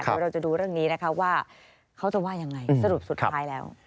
เดี๋ยวเราจะดูเรื่องนี้นะคะว่าเขาจะว่ายังไงสรุปสุดท้ายแล้ว